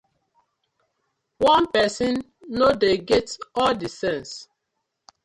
One pesin no dey get all the sence.